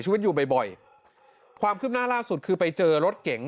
ชีวิตอยู่บ่อยความขึ้นหน้าล่าสุดคือไปเจอรถเก๋ง